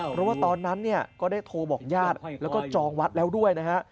เพราะว่าตอนนั้นเนี่ยก็ได้โทรบอกญาติแล้วก็จองวัดแล้วด้วยนะฮะ